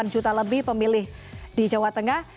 dua puluh delapan juta lebih pemilih di jawa tengah